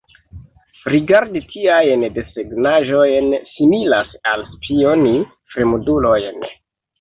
Rigardi tiajn desegnaĵojn similas al spioni fremdulojn.